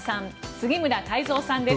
杉村太蔵さんです。